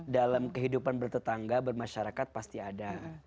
dalam kehidupan bertetangga bermasyarakat pasti ada